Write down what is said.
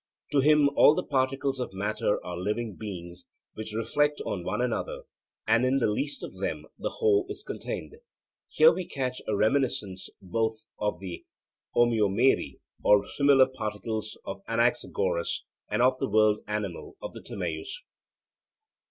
To him all the particles of matter are living beings which reflect on one another, and in the least of them the whole is contained. Here we catch a reminiscence both of the omoiomere, or similar particles of Anaxagoras, and of the world animal of the Timaeus.